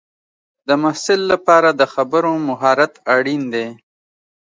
د محصل لپاره د خبرو مهارت اړین دی.